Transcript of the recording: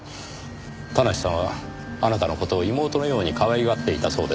田無さんはあなたの事を妹のように可愛がっていたそうですねぇ。